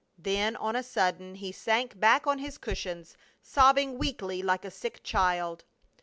Then on a sudden he sank back on his cushions, sobbing weakly like a sick child.